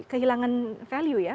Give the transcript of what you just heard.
kehilangan value ya